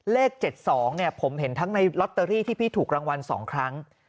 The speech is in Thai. เลข๗๒ผมเห็นทั้งในลอตเตอรี่ที่พี่ถูกรางวัล๒ครั้ง